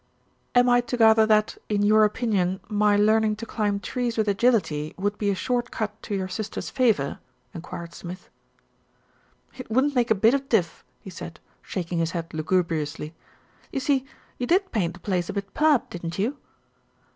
"Am I to gather that, in your opinion, my learning to climb trees with agility would be a short cut to your sister's favour?" enquired Smith. "It wouldn't make a bit of diff," he said, shaking his head lugubriously. "You see, you did paint the place a bit purp, didn't you?"